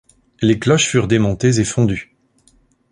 Les cloches furent démontées et fondues.